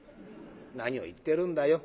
「何を言ってるんだよ。